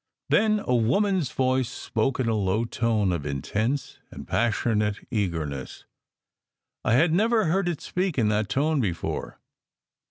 Then a woman s voice spoke in a low tone of intense and passionate eagerness. I had never heard it speak in that tone before.